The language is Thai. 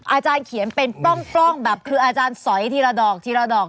อาจารย์เขียนเป็นปล้องแบบคืออาจารย์สอยทีละดอกทีละดอก